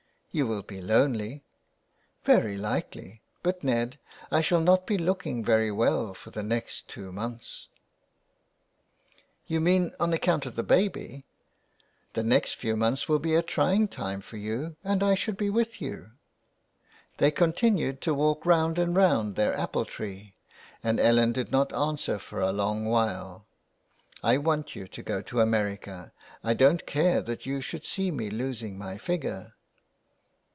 " You will be lonely." " Very likely ; but, Ned, I shall not be looking very well for the next two months." 331 THE WILD GOOSE. " You mean on account of the baby. The next few months will be a trying time for you and I should be with you." They continued to walk round and round their apple tree and Ellen did not answer for a long while. '' I want you to go to America, I don't care that you should see me losing my figure."